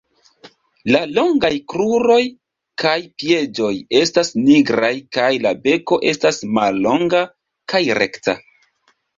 La longaj kruroj kaj piedoj estas nigraj kaj la beko estas mallonga kaj rekta.